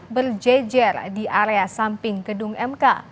berjejer di area samping gedung mk